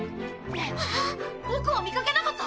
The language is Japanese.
ねえボクを見かけなかった？